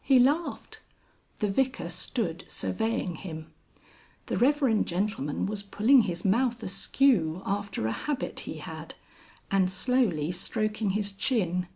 He laughed. The Vicar stood surveying him. The Reverend gentleman was pulling his mouth askew after a habit he had, and slowly stroking his chin.